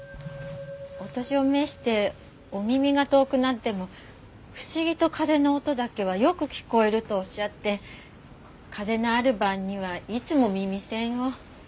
お年を召してお耳が遠くなっても不思議と風の音だけはよく聞こえるとおっしゃって風のある晩にはいつも耳栓を。